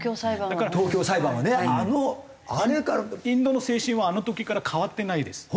インドの精神はあの時から変わってないです。